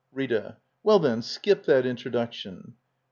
Rita. Well, then, skip that introduction!